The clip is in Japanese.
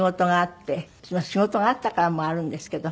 仕事があったからもあるんですけど。